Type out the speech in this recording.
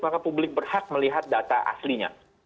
maka publik berhak melihat data aslinya